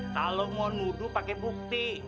kalau mau nuduh pakai bukti